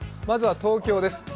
まずは東京です。